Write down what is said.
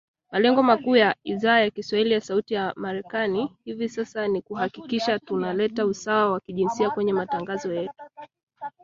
Malengo makuu ya Idhaa ya kiswahili ya Sauti ya Amerika kwa hivi sasa ni kuhakikisha tuna leta usawa wa jinsia kwenye matangazo yetu.